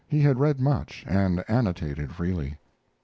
he had read much and annotated freely.